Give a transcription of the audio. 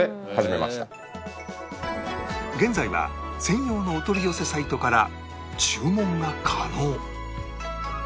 現在は専用のお取り寄せサイトから注文が可能